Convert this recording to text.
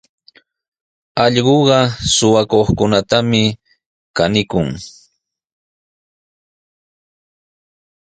Allquqa suqakuqtami kanikun.